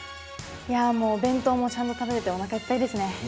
いやもうお弁当もちゃんと食べれておなかいっぱいですね。